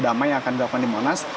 damai yang akan dilakukan di monas